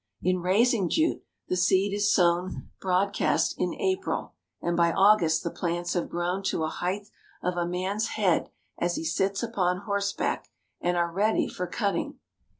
In raising jute, the seed is sown broadcast in April, and by August the plants have grown to a height of a man's head as he sits upon horseback, and are ready for cutting.